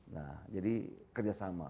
nah jadi kerjasama